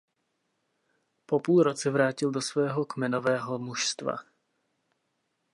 Po půl roce vrátil do svého kmenového mužstva.